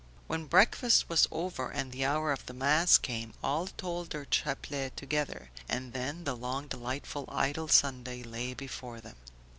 When breakfast was over and the hour of the mass come, all told their chaplet together; and then the long delightful idle Sunday lay before them.